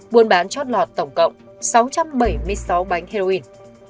buôn bán chót lọt tổng cộng sáu trăm bảy mươi sáu bánh heroin